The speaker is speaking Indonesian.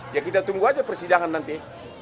ya kita tunggu aja persidangan nanti